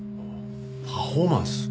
パフォーマンス？